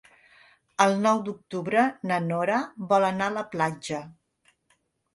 El nou d'octubre na Nora vol anar a la platja.